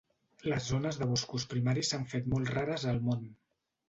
Les zones de boscos primaris s'han fet molt rares al món.